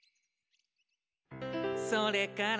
「それから」